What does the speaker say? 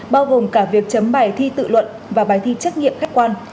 bao gồm cả việc chấm bài thi tự luận và bài thi trắc nghiệm khách quan